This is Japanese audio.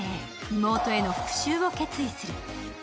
妹への復しゅうを決意する。